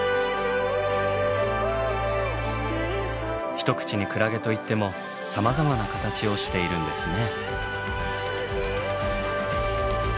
一口にクラゲといってもさまざまな形をしているんですね。